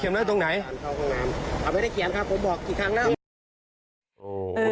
ถ้าเข้าห้องน้ำเอาไว้ได้เขียนค่ะผมบอกกี่ครั้งแล้ว